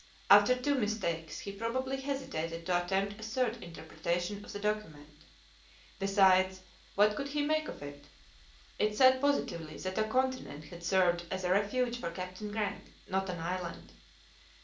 After two mistakes, he probably hesitated to attempt a third interpretation of the document. Besides, what could he make of it? It said positively that a "continent" had served as a refuge for Captain Grant, not an island.